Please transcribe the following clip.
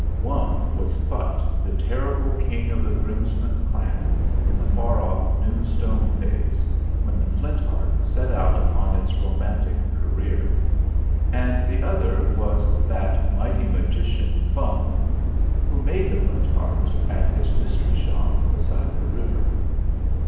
One was Phutt, the terrible chief of the Grimspound clan in the far off New Stone days, when the Flint Heart set out upon its romantic career; and the other was that mighty magician Fum, who made the Flint Heart at his mystery shop beside the river.